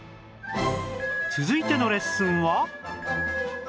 続いてのレッスンは